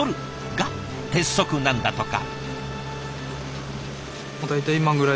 が鉄則なんだとか。